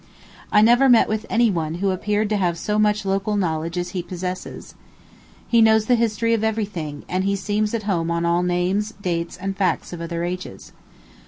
I never met with any one who appeared to have so much local knowledge as he possesses. He knows the history of every thing, and he seems at home on all names, dates, and facts of other ages.